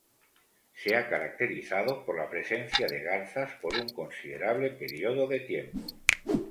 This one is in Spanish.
Se ha caracterizado por la presencia de garzas por un considerable período de tiempo.